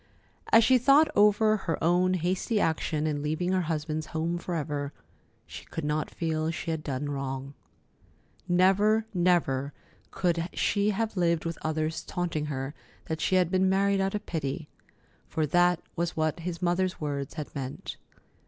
As she thought over her own hasty action in leaving her husband's home forever, she could not feel she had done wrong. Never, never could she have lived with others taunting her that she had been married out of pity—for that was what his mother's words had meant.